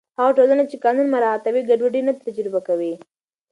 هغه ټولنه چې قانون مراعتوي، ګډوډي نه تجربه کوي.